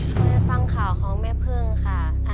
เคยฟังข่าวของแม่พึ่งค่ะ